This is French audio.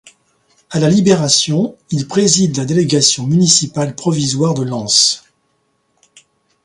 À la Libération, il préside la délégation municipale provisoire de Lens.